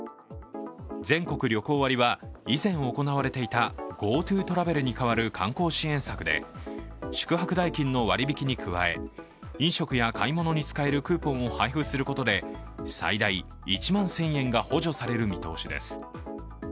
全国旅行割は、以前行われていたＧｏＴｏトラベルに代わる観光支援策で宿泊代金の割引きに加え飲食や買い物に使えるクーポンを配布することで最大１万１０００円が補助される見通しです。